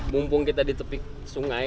mumpung kita di tepi sungai